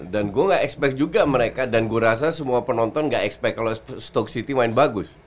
dan gua ga expect juga mereka dan gua rasa semua penonton ga expect kalo stoke city main bagus